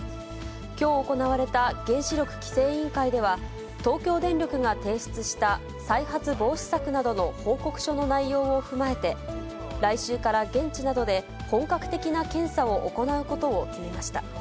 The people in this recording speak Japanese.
きょう行われた原子力規制委員会では、東京電力が提出した再発防止策などの報告書の内容を踏まえて、来週から現地などで本格的な検査を行うことを決めました。